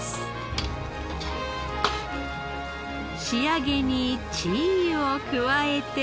仕上げに鶏油を加えて。